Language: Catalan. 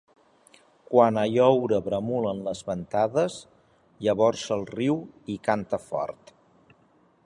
Quan a lloure bramulen les ventades, llavors ell riu i canta fort.